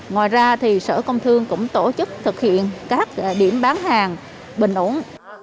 ngoài ra thì sở công thương cũng tổ chức thực hiện các điểm bán hàng bình ổn